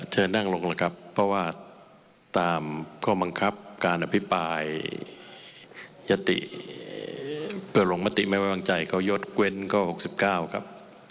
เธอนั่งลงละครับเพราะว่าตามข้อมังคับการอภิปรายยศติประหลงมติไม่ไว้วางใจเกาะยศเกวนเกาะ๖๙ครับ